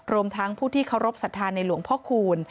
รวมทั้งผู้ที่เคารพสัทธาในหลวงพ่อคูณ